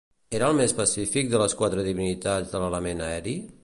Era el més pacífic de les quatre divinitats de l'element aeri?